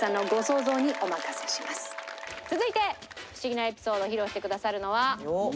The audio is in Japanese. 続いてフシギなエピソードを披露してくださるのは。